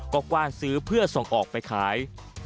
ก็กว้านซื้อเพื่อส่งออกไปขาย